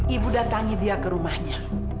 ibu datangi dia ke rumahnya